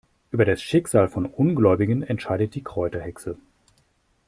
Über das Schicksal von Ungläubigen entscheidet die Kräuterhexe.